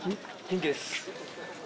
元気です。